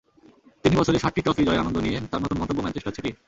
তিন বছরে সাতটি ট্রফি জয়ের আনন্দ নিয়ে তাঁর নতুন গন্তব্য ম্যানচেস্টার সিটি।